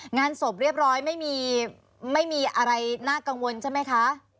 งานศพเรียบร้อยไม่มีไม่มีอะไรน่ากังวลใช่ไหมคะ